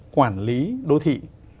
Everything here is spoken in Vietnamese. quản lý đô thị